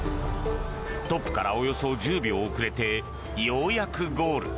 トップからおよそ１０秒遅れてようやくゴール。